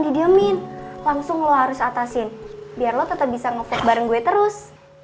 didiemin langsung lo harus atasin biar lo tetap bisa nge vok bareng gue terus